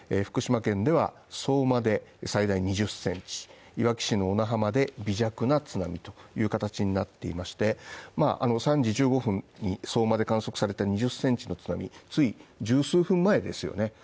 福島県では、相馬で最大２０センチいわき市の小名浜で微弱な津波という形になっていまして３５分に相馬で観測された２０センチの津波１０数分前ですよね。